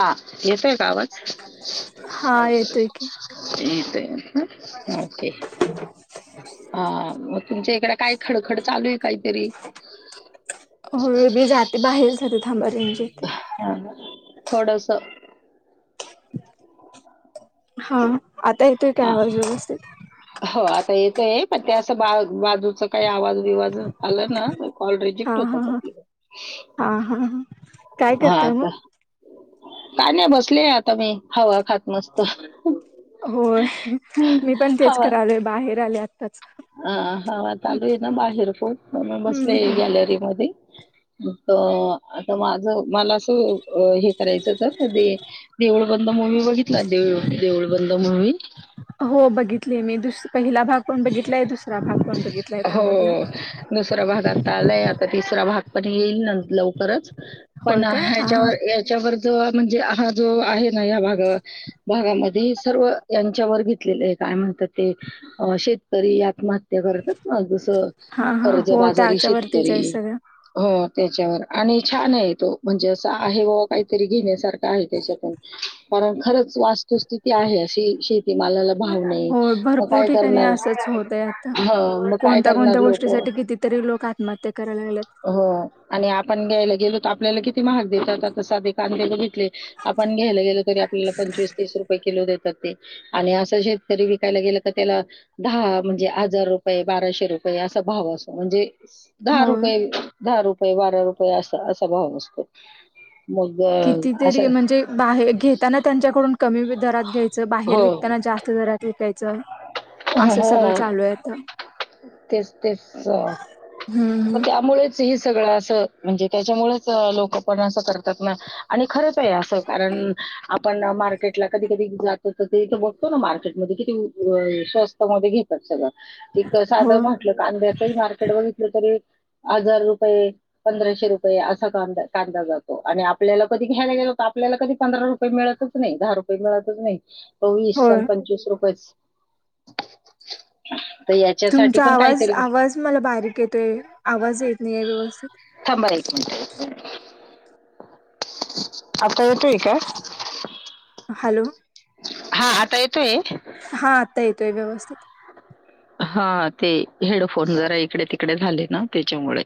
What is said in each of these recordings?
हा येतय का आवाज? हा येतोय की येतोय. ओके. हा मग तुमच्या इकड काय खडखड चालू आहे, काहीतरी. हो. मी जाते बाहेर जाते, थांबा रेंज येते. थोडंस. हा आता येतुय काय आवाज व्यवस्थित? हो आता येतोय पण त्या बा बाजूचा काही आवाज ज आला ना कॉल हा रिजेक्ट हा होतात हा आपले. हा हा हा काय हा करताय मग? आता काय नाय बसले आता मी, हवा खात मस्त. होय मी पण तेच हवा करालोय बाहेर आले आ हा हवा चालू आहे ना बाहेर खूप म्हणून बसलोय हम्म गॅलरी मधी. मग आता माझं. मला असं हे करायचं होतं तर देऊळ बंद मूवी बघितला देऊळ बंद. मूवी. हो बघितलं. भाग पण बघितलाय हो त्यामधला दुसरा भागात आता आलाय आता तीस रा भाग पण येल लवकरच होय पण काय हा ह्यचा हा ह्याच्यावर जो म्हणजे हा जो आहे ना या भागा भागामध्ये सर्व यांच्यावर घेतलेले आहे. काय म्हणत ते शेतकरी आत्महत्या. ते करतात ना जसं हा हा कर्ज हो बाजारी त्याच्यावरतीच आहे शेतकरी सगळं हो. त्याच्यावर आणि छान आहे तो म्हणजे असं आहे बावा काहीतरी घेण्यासारखा आहे त्याच्यातून. कारण खरंच वास्तुस्थिती आहे अशी शेतीमालाला भाव नाही मग काय. नाही करणार? असंच होत आहे आता हं, मग काय कोणत्या करणार कोणत्या लोकं? गोष्टीसाठीठी कितीतरी लोक आत्महत्या करायला लागलेत. हो आणि आपण घ्याला गेलो आपल्याला किती महाग देतात आता साधे कांदे बगितले आपण घायला गेलो तर आपल्याला पंचवीस तीस रुपये किलो देतात ते आणि अस शेतकरी विकायला गेल का त्याला दहा म्हणजे हजार रुपये बाराशे रुपये असा भाव असो म्हणजे त्या दहा होय रुपये दहा रुपये बारा रुपये अस असा भाव असतो. मग अ, अशा कितीतरी म्हणजे बाहेर घेताना त्यांच्याकडून कमी दरात घ्यायचं बाहेर हो, विकताना जास्त घरात विकायच अस सगळ हो. चालू आहे तेच तेच हम्म. त्यामुळेच ह सगळं असं म्हणजे त्याच्यामुळेच लोकं पण असं करतात ना आणि खरंच आहे असं कारण आपण मार्केटला कधी कधी जातो तर ते इथे बघतो ना मार्केटमध्ये कि स्वस्त मध्ये घेतात सगळ एक हो साधं म्हटलं कांद्याचही मार्केट बघितलं तरी हजार रुपये पंधराशे रुपये असा कांदा कांदा जातो आणि आपल्याला कधी घ्यायला गेलो आपल्याला कधी पंधरा रुपये मिळतच नाही दहा रुपये मिळतच नाही चोवीस आणि होय पंचवीस रुपयेच तुमचा आवाज आवाज मला बारीक येतोय आवाज येत नाही आहे व्यवस्थित अ आत्ता येतोय का हॅलो हा आता येतोय हा आता येतोय व्यवस्थित हा ते हेडफोन जरा इकडे तिकडे झाले ना त्याच्यामुळे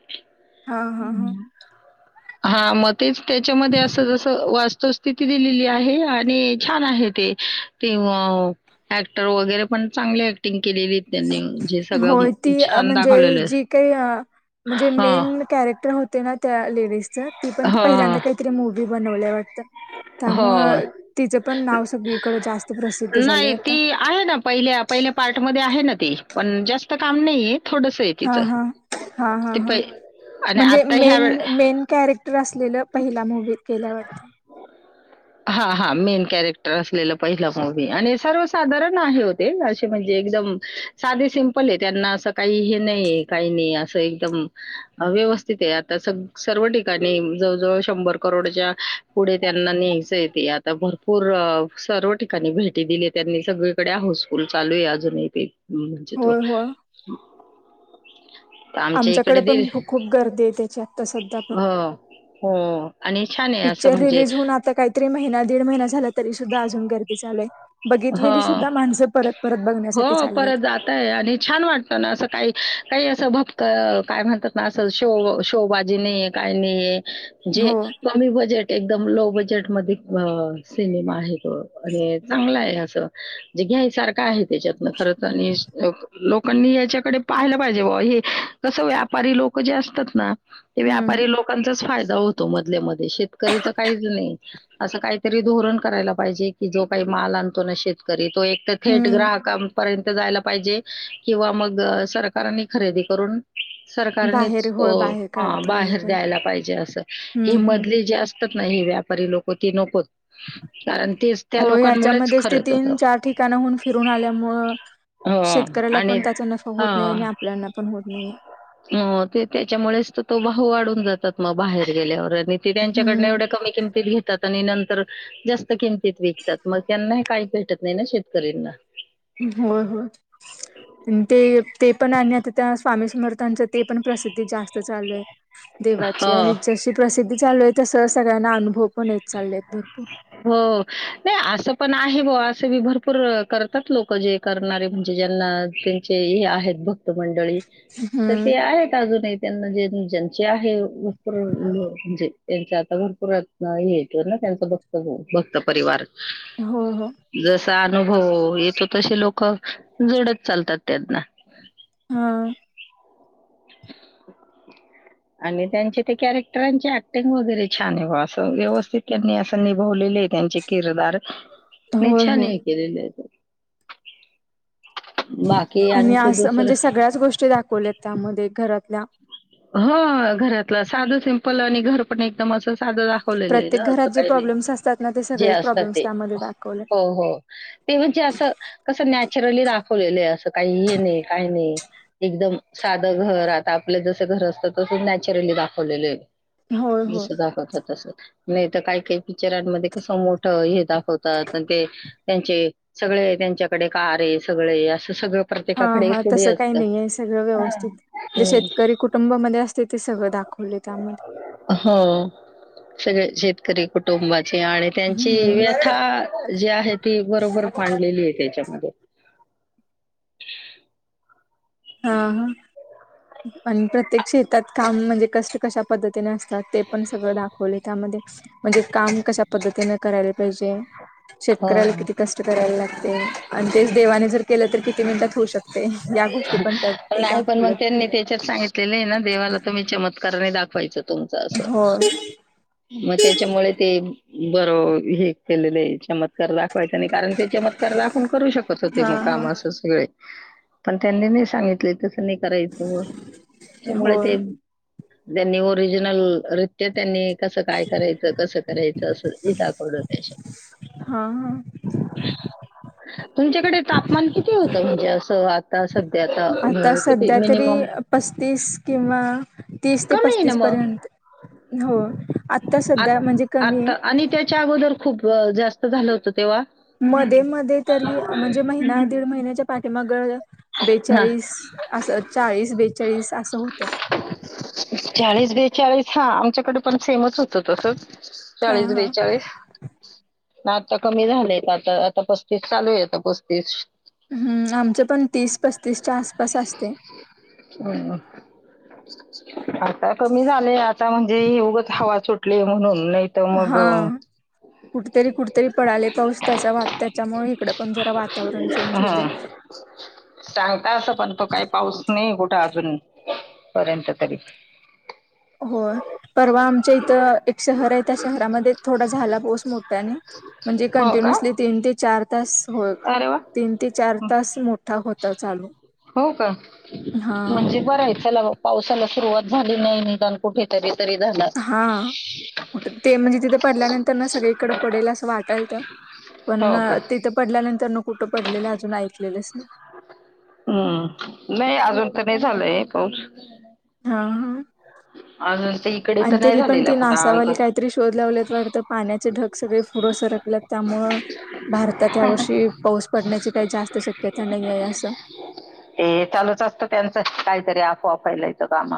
हा हा हा हा मग तेच त्याच्यामध्ये असं जस वास्तुस्थिती दिलेली आहे आणि छान आहे. ते ऍक्टर वगैरे पण चांगली ऍक्टिंग केलेली त्यांनी म्हणजे होय ती म्हणजे जी काही अ म्हणजे हा मेन कॅरेक्टर होते ना त्या लेडीजच ती पण त हा पहिल्यांदा काहीतरी मूवी् बनवल्या वाटत हो जास्त प्रसिद्ध झालंय नाही आता. ती आहे ना पहिले पहिले पार्ट मध्ये आहे ना ती पण जास्त काम नाही हा हा हा हा हा पै आणि म्हणजे आता ह्या मेन वेळ मेन कॅरेक्टर असलेलं पहिल्या मुूवीत केल्यावरती [inaudible] हा हा मेन कॅरेक्टर असलेलं पहिलं मूवी आणि सर्वसाधारण आहे होते असे म्हणजे एक साधे सिम्पल आहे त्यांना अस काही हे नाही काही नाही अस एकदम व्यवस्थित आता सर्व ठिकाणी ज जवळ शंभर करोडच्या पुढे त्यांना न्ह्यायचंय ते आता भरपूर सर्व ठिकाणी भेटी दिली त्यांनी सगळीकडे आ स्कूल चालू आहे अजूनही ते म्हणजे तो होय होय आमच्या इकडे आमच्याकडे दिल पण खू खूप गर्दी आहे त्याची आता सध्या पण हो हो आणि छान आहे असं पिक्चर म्हणजे रिलीज होऊन आता काही तर महिना दीड महिना झाला तरी सुद्धा अजून गर्दी चालू आहे हो बघितलेली सुद्धा माणसं परत परत बघण्यासाठी हो चालले परत आहेत जातय आणि छान वाटत ना असं काही काही असं भक्क काय म्हणतात ना असं शो शोबाजी नाहीये काय नाहीे जे हो कमी बजेट एक एकदम लो बजेट मध्ये सिनेमा आहे तो आणि चांगला आहे घ्यासारखं आहे त्याच्यातून खरतर आणि लोकांनी याच्याकडे पाहायला पाहिजे ओ हे कसं व्यापारी लोक जे असतात ना ते हम्म व्यापारी हम्म लोकांचाच फायदा होतो. मध्ये शेतकरीच काही नाही अस काहीतरी धोरण करायला पाहिजे की जो काही माल शेतकरी तो एक तर थेट हम्म ग्राहकांपर्यंत जायला पाहिजे किंवा मग सरकारनी खरेदी करून बाहेर सरकारनेच तो होय बाहेर काढता यायला बाहेर द्यायला पाहिजे अस हे हम्म हम् मधले जे असत आहेत ना व्यापारी लोक त नकोच कारण तेच त्या हो लोकांमुळे याच्यामध्येच ते तीन चार ठिकाणाहून फिरून आल्यामुळ ह शेतकऱ्याला आणि पण त्याचा नफा होत नाही आणि आपल्याना पण होत नाहीे हो ते त्याच्यामुळेच तो वाढून जातात मग बाहेर गेल्यावर आणि ते त्यांच्याकड हम्म एवढ्या कमी किमतीत घेतात आणि नंतर जास्त किमतीत विकतात मग त्यांना हे काही भेटत नाही ना शेतकऱ्यांना हो हो ते ते पण आणि आता त्या स्वामी मर त्यांच ते पण प्रसिद्धी जास्त चालू आहे देवाची हो, आणि जशी प्रसिद्धी चालू आहे सह सगळ्यांना अनुभव पण येत चाललेत भरपूर हो नाही अस पण आहे बुआ असे बी भरपूर करतात लोक जे करणारे म्हणजे ज्यांना त्यांचे हे आहेत भक्त मंडळी तर हम्म ते आहेत अजूनही त्यांना जे ज्यांचे आहे भरपूर म्हणजे त्यांचे आता भरपूर हे त्यांच भक्त भक्त परिवार हो हो जसा अनुभव येतो तसे लोक जोडत चालतात त्यांना हा [inaudible] आणि त्यांचे ते कॅरेक्टरांचे ऍक्टिंग वगैरे छान आहे बा असं व्यवस्थित त्यांनी असं निभवलेले आहे त्यांचे किरदार होय हो नि्छाने केलेले बाकी आणि आणखी असं दोसर म्हणजे सगळ्याच गोष्टी दाखवल्यात त्यामध्ये घरातल्या हो घरातलं साधं सिंपल आणि घर पण एकदम अस साधं दाखवलेलं आहे ना प्रत्येक असं घरात जे काही नाही प्रॉब्लेम्स असतात ना ते जे सगळेच असत प्रॉब्लेम्स ते त्यामध्ये दाखवले हो हो ते म्हणजे असं कस न ली दाखवलेलं अस काही हे नाही काही नाही एकदम साध घर आता आपलं जस घर असतं तस नॅचरली दाखवलेले होय आहे तस होय दाखवत तस नाही तर काही काही पिक्चरांमध्ये कसं मोठं हे दाखवतात ते त्यांचे सगळे त्यांच्याकडे कार आहे सगळे असं सगळं हा प्रत्येकाकडे हा थोडी तसं काही असतात. नाही आहे सगळं व्यवस्थित जे हम्म. शेतकरी कुटुंबामध्ये असते ते सगळं दाखवले त्यामध्ये हो शेतकरी कुटुब आणि त्यांची हम्म व्यथा जी आहे ती बरोबर मांडलेली आहे त्याच्यामध्ये [inaudible] हा ह आणि प्रत्येक शेतात काम म्हणजे कष्ट कशा पद्धतीने असत ते पण सगळं दाखवलय [inaudible] त्यामध्ये म्हणजे काम कशा पद्धतीने करायला पाहिजे? शेतकऱ्याला किती हो कष्ट करायला लागते [inaudible] आणि तेच देवाने जर केलं तर किती [unintelligible] मिनिटात होऊ शकतय, या गोष्टी पण त्यात [inaudible] नाही पण मग दाखवल्यात त्यांनी त्याच्यात सांगितलेले आहे ना देवाला तुम्ही चमत्काराने दाखवायच. तुमच हो असं [inaudible] मग त्याच्यामुळे ते बर.. हे केलेलं याच्या मत चमत्कार दाखवायचा नाही कारण ते चमत्कार दाखून करू शकत होते हा मग काम हा असं सगळे पण त्यांनी नाही सांगितले तसं नाही करायचं, त्याच्यामुळे हो ते त्यांनी ओरिजिनल रित्य -त्यांनी कसं काय करायचं कसं करायचं असं [unintelligible] दाखवल हा- हा.. तुमच्याकडे तापमान किती होतं? म्हणजे असं आता सध्या आता अं, किती सध्या तरी मिनिमम पस्तीस किंवा- तीस ते कमी आहे ना पस्तीस मग पर्यंत हो आता सध्या आत- म्हणजे कमी आता आणि आहे [inaudible] त्याच्या अगोदर खूप जास्त झालं होत तेव्हा मध्ये -मध्ये तरी म्हणजे महिना दीड महिन्याच्या पाठीमाग हा बेचाळीस असं चाळीस बेचाळीस असं होतं [inaudible] चाळीस- बेचाळीस हा आमच्याकडे पण सेमच होत तसच हा चाळीस हा बेचाळीस [inaudible] ना आता कमी झालेयत आता -आता पस्तीस चालू आहेेत पस्तीस हम्म आमचे पण तीस पस्तीसच्या आसपास असते हम्म. [inaudible] आता कमी झालय, आता म्हणजे ही उगच हवा सुटली म्हणून त मग कुठतरी- कुठतरी पडाले पाऊस त्याचा वा- त्याच्यामुळे इकडे पण जरा वातावरण चेंज हं. होतय. [inaudible] सांगता असं पण तो काही पाऊस नहिहे कुठे अजून पर्यंत तरी [inaudible] होय, परवा आमच्या इथं एक शहर आहे त्या शहरामध्ये थोडा झाला पाऊस मोठ्यानी. म्हणजे हो का कंटिन्युअसली तीन ते चार तास हो अरे वा तीन ते चार तास मोठा होता चालू [inaudible] हो का हा म्हणजे बर आहे चलाहो पावसाला सुरुवात झाली नाही निदान कुठेतरी तरी झाला हा कुठं -ते म्हणजे तिथे पडल्यानंतर ना सगळीकडं पडेल असं वाटालत पण हो ना का तिथं पडल्यानंतर न कुठं पडलेलं अजून ऐकलेलेच हम्म [inaudible] नाही अजून तर नाही झालंय पाऊस [inaudible] हा. ह.... आजून [inaudible] आणि तरी पण ते नासावाली काहीतरी शोध लावल्यात वाटतं पाण्याचे ढग सगळे पुढे सरकल्यात त्या मग भारतात या वर्षी पाऊस पडण्याची काही जास्त शक्यता नाही आहे असं [inaudible] ते चालूच असतं त्यांचं काहीतरी अफवा फेलवाच काम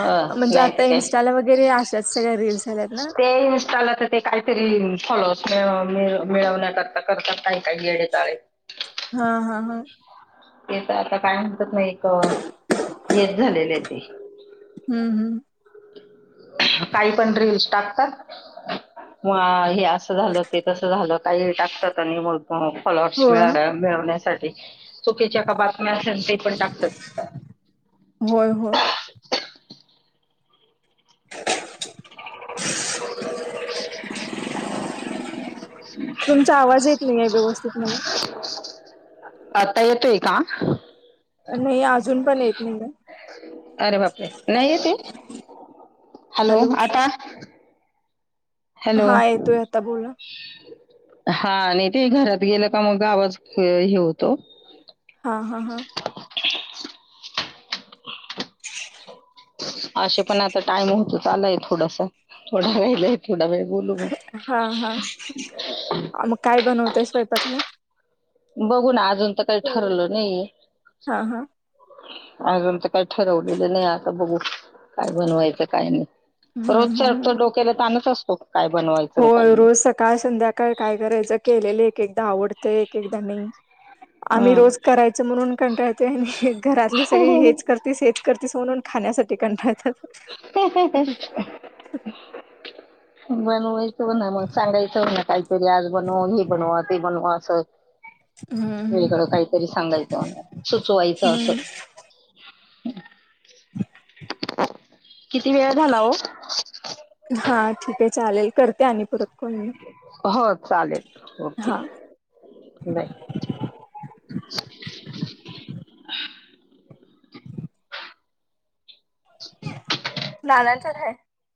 हं, [inaudible] म्हणजे नाही ते आता काय इन्स्टाला वगैरे अशाच सगळ्या रील्स आल्यात ना ते इन्स्टाला तर ते काहीतरी ह मिळवण्या -करता करतात काही- काही येडे चाळे ह हे काय आता काय म्हणतात का नाही कवा. हेच झालेले आहेत ते हम्म हम्म [inaudible] काही पण रिल्स टाकतात [inaudible] [unintelligible] हा हे असं झालं ते तसं झालं काही टाकतात आणि नाय प्लॉ -प्लॉट्स होय मि- मिळवण्यासाठी चुकीच्या का [inaudible] बातम्या असण ते पण टाकतात होय होय [inaudible] [inaudible] तुमचा आवाज येत नाही आहे व्यवस्थित म्हणे.. आता येतोय का नाही आज अरे बापरे नाही येशील हॅलो आता हॅलो हा येतोय आता बोला हा आणि ते घरात गेलं का मग आवाज हे होतो हा हा हा [unintelligible] असे पण आता टाइम होतच आलाय थोडासा थोडाच राहिलाय थोडा वेळ बोलू मग हा हा मग काय बनवतय स्वयंपाकला बघू ना अजून तर काही ठरवल नाहीे हे हा हा अजून तर काय ठरवलेलं नाही आता बघू काय बनवायचं काय नाही हम्म रोजच्या हम्म तर डोक्याला ताणच असतो काय बनवायचं काय होय नाही रोज सकाळ संध्याकाळ काय करायचं केलेलं एकदा आवडतं कि एक एकदा नही आम्ही रोज करायच म्हणून कंटाळते आणि हे घरातले सगळे हेच करतेस हेच करतेस म्हणून खाण्यासाठी कंटाळतात ह ह ह बनवायचं हो ना मग सांगायचं हो ना काहीतरी आज बनवा हे बनवा ते बनवा असं हम्म हम्म वेगडं काहीतरी सांगायचं म्ह सुचवायचं असं ह ह [inaudible] किती वेळा झाला हो हा ठीक आहे चालेल करते आणि परत कॉल मी हो चालेल ओके हा बाय नानाचाच आहे